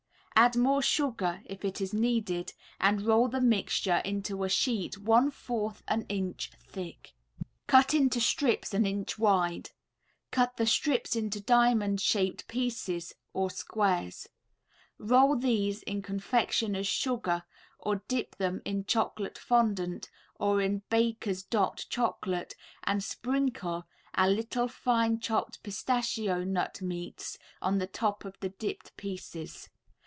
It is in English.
Add more sugar if it is needed and roll the mixture into a sheet one fourth an inch thick. Cut into strips an inch wide. Cut the strips into diamond shaped pieces (or squares); roll these in confectioner's sugar or dip them in chocolate fondant or in Baker's "Dot" Chocolate, and sprinkle a little fine chopped pistachio nut meats on the top of the dipped pieces.